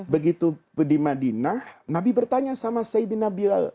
begitu di madinah nabi bertanya sama sayyidina bilal